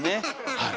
はい。